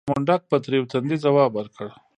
خو منډک په تريو تندي ځواب ورکړ.